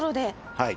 はい。